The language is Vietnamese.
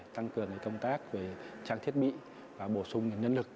tăng cường công tác về trang thiết bị và bổ sung nhân lực